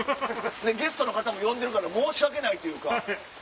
ゲストの方も呼んでるから申し訳ないというか。